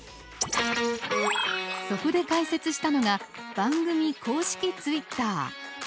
そこで開設したのが番組公式ツイッター。